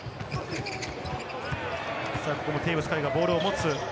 ここもテーブス海がボールを持つ。